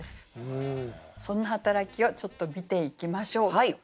その働きをちょっと見ていきましょう。